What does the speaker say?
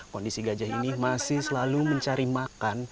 kondisi gajah ini masih selalu mencari makan